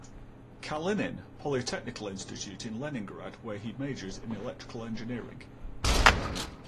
Kalinin Polytechnical Institute in Leningrad where he majored in electrical engineering.